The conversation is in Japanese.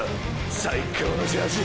最高のジャージ！！